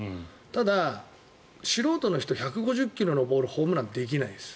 ただ、素人の人は１５０ｋｍのボールホームランできないです。